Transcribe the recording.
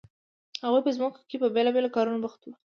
هغوی په ځمکو کې په بیلابیلو کارونو بوخت وو.